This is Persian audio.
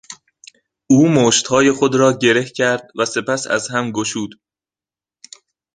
او مشتهای خود را گره کرد و سپس از هم گشود.